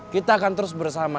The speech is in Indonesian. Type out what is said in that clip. kita akan terus bersama